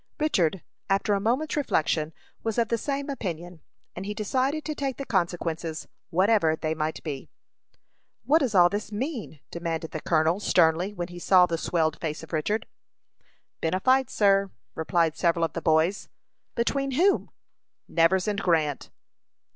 Richard, after a moment's reflection, was of the same opinion, and he decided to take the consequences, whatever they might be. "What does all this mean?" demanded the colonel, sternly, when he saw the swelled face of Richard. "Been a fight, sir," replied several of the boys. "Between whom?" "Nevers and Grant."